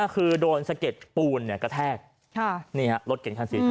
คือถ้าโดนสะเก็ดปูนกระแทก